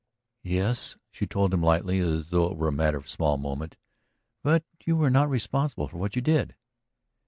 "Yes," she told him lightly, as though it were a matter of small moment. "But you were not responsible for what you did."